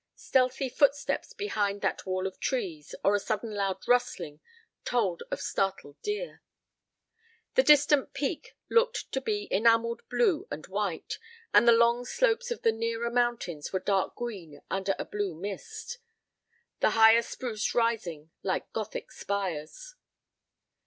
Stealthy footsteps behind that wall of trees, or a sudden loud rustling, told of startled deer. The distant peak looked to be enamelled blue and white, and the long slopes of the nearer mountains were dark green under a blue mist, the higher spruce rising like Gothic spires.